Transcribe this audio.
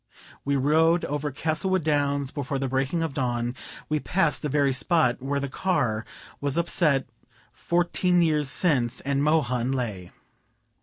We rode over Castlewood Downs before the breaking of dawn. We passed the very spot where the car was upset fourteen years since, and Mohun lay.